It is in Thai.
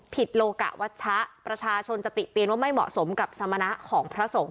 โลกะวัชชะประชาชนจะติเตียนว่าไม่เหมาะสมกับสมณะของพระสงฆ